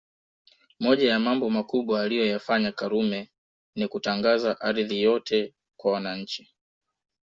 Moja ya Mambo makubwa aliyoyafanya Karume Ni kutangaza ardhi yote kwa wananchi